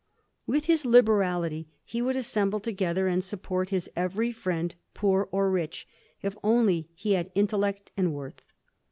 With his liberality he would assemble together and support his every friend, poor or rich, if only he had intellect and worth.